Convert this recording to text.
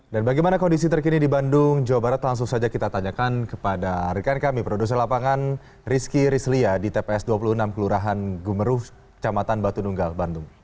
dan bagaimana kondisi terkini di bandung jawa barat langsung saja kita tanyakan kepada rekan kami produser lapangan rizky rizlia di tps dua puluh enam kelurahan gumeruh kecamatan batu nunggal bandung